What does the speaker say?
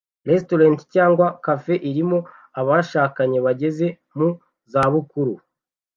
Restaurant cyangwa cafe irimo abashakanye bageze mu zabukuru